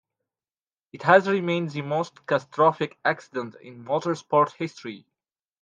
It has remained the most catastrophic accident in motorsport history.